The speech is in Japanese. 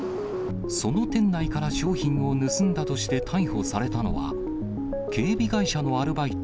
その店内から商品を盗んだとして逮捕されたのは、警備会社のアルバイト、